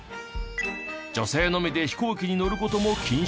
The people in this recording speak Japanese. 女性のみで飛行機に乗る事も禁止。